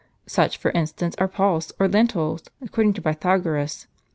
Such for instance are pulse, or lentils, according to Pythagoras.